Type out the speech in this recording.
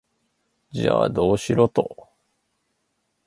じゃあ、どうしろと？